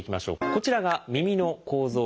こちらが耳の構造です。